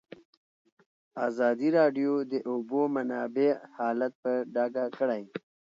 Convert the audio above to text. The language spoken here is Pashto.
ازادي راډیو د د اوبو منابع حالت په ډاګه کړی.